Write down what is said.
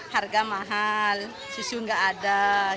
harga mahal susu nggak ada